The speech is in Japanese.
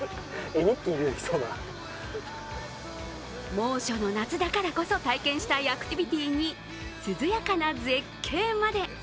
猛暑の夏だからこそ体験したいアクティビティーに涼やかな絶景まで。